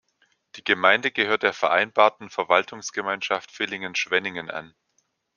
Die Gemeinde gehört der Vereinbarten Verwaltungsgemeinschaft Villingen-Schwenningen an.